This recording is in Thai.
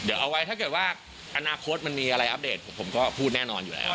เดี๋ยวเอาไว้ถ้าเกิดว่าอนาคตมันมีอะไรอัปเดตผมก็พูดแน่นอนอยู่แล้ว